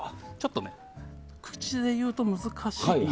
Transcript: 口で言うと難しいので。